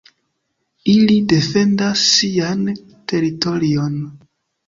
Ili defendas sian teritorion.